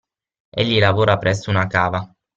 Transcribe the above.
Egli lavora presso una cava.